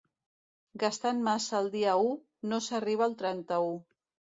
Gastant massa el dia u, no s'arriba al trenta-u.